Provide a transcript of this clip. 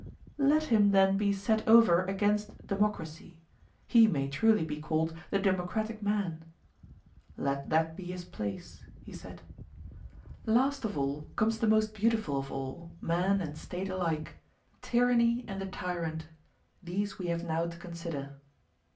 Let him then be set over against democracy; he may truly be called the democratic man. Let that be his place, he said. Last of all comes the most beautiful of all, man and State alike, tyranny and the tyrant; these we have now to consider.